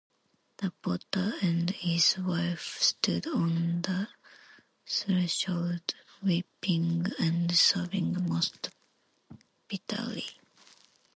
The potter and his wife stood on the threshold weeping and sobbing most bitterly.